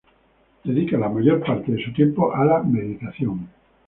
Dedican la mayor parte de su tiempo a la meditación.